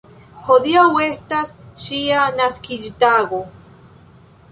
Hodiaŭ estas ŝia naskiĝtago.